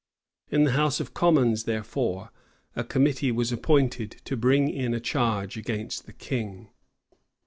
In the house of commons, therefore, a committee was appointed to bring in a charge against the king.